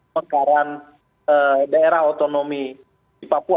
mekaran daerah otonomi di papua